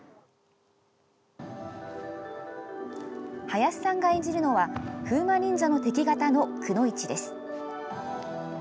林さんが演じるのは風魔忍者の敵方の、くノ一です。